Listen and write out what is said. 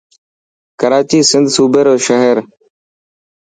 ڪراچي سنڌ صوبي رو شهر.